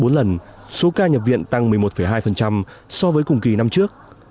trong lúc này số ca nhập viện tăng một mươi một hai so với cùng kỳ năm trước